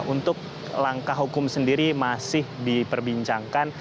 untuk langkah hukum sendiri masih diperbincangkan